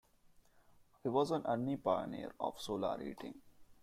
He was an early pioneer of solar heating.